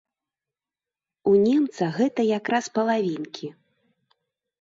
У немца гэта якраз палавінкі.